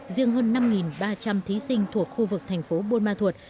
riêng hơn năm ba trăm linh thí sinh thuộc khu vực thành phố buôn ma thuột